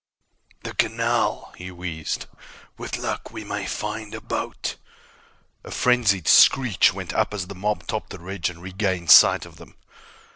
"The canal," he wheezed. "With luck, we may find a boat." A frenzied screech went up as the mob topped the ridge and regained sight of them.